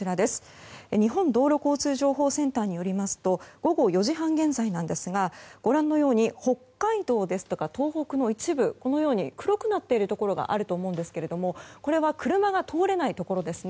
日本道路交通情報センターによりますと午後４時半現在、ご覧のように北海道ですとか東北の一部黒くなっているところがあると思いますがこれは車が通れないところですね。